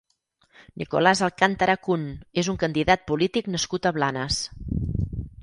Nicolás Alcántara Kühn és un candidat polític nascut a Blanes.